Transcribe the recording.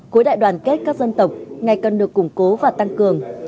cuối đại đoàn kết các dân tộc ngày cân được củng cố và tăng cường